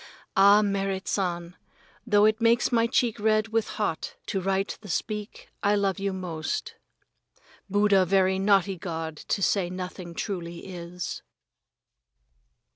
Ah, Merrit San, though it makes my cheek red with hot to write the speak, I love you most. Buddha very naughty old god to say nothing truly is.